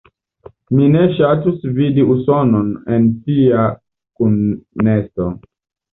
Mi ne ŝatus vidi Usonon en tia kunesto.